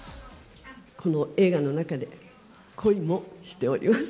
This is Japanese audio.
この映画の中で恋もしております。